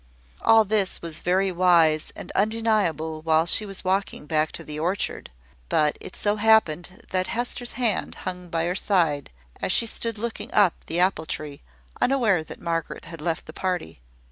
All this was very wise and undeniable while she was walking back to the orchard: but it so happened that Hester's hand hung by her side, as she stood looking up at the apple tree, unaware that Margaret had left the party.